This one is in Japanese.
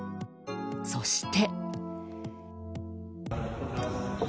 そして。